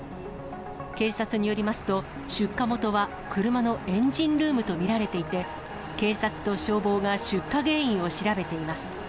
警察によりますと、出火元は車のエンジンルームと見られていて、警察と消防が出火原因を調べています。